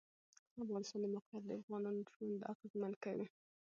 د افغانستان د موقعیت د افغانانو ژوند اغېزمن کوي.